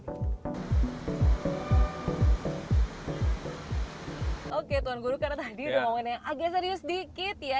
oke tuan guru karena tadi udah ngomongin yang agak serius dikit ya